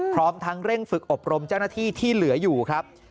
พร้อมทั้งเร่งฝึกอบรมเจ้าหน้าที่ที่เหลืออยู่ครับ